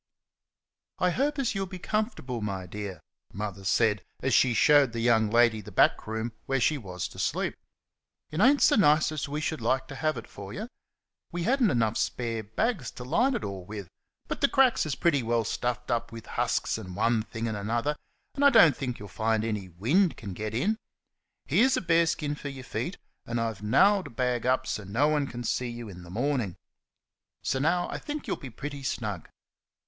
"I hope as you'll be comfortable, my dear," Mother observed as she showed the young lady the back room where she was to sleep. "It ain't s' nice as we should like to have it f' y'; we had n't enough spare bags to line it all with, but the cracks is pretty well stuffed up with husks an' one thing an' 'nother, and I don't think you'll find any wind kin get in. Here's a bear skin f' your feet, an' I've nailed a bag up so no one kin see in in the morning. S' now, I think you'll be pretty snug."